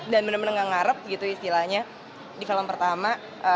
dan benar benar gak ngarep gitu istilahnya di film pertama